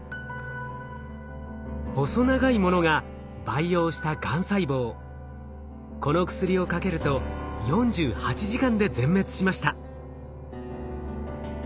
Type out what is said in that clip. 細長いものが培養したこの薬をかけると４８時間で全滅しました。